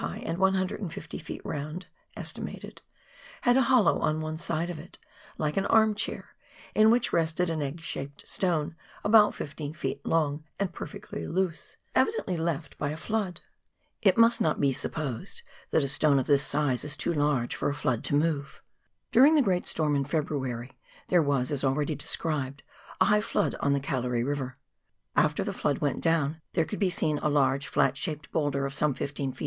high, and 150 ft. round (estimated), had a hollow on one side of it, like an arm chair, in which rested an egg shaped stone about 15 ft. long, and perfectly loose, evidently left there by a flood. It lo4 PIONEER WORK IN THE ALPS OF NEW ZEALAND. iDust not be supposed that a stone of this size is too large for a flood to move. During the great storm in February, there was — as already described — a high flood on the Gallery E,iver. After the flood went down, there could be seen a large flat shaped boulder of some 15 ft.